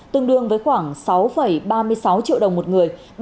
tương đương với khoảng sáu ba